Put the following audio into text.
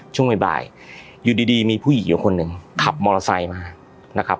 ช่วงบ่ายอยู่ดีมีผู้หญิงอยู่คนหนึ่งขับมอเตอร์ไซค์มานะครับ